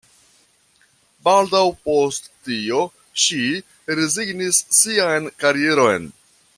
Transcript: Baldaŭ post tio, ŝi rezignis sian karieron.